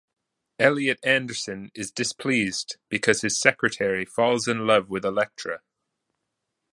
Eliot Anderson is displeased because his secretary falls in love with Electra.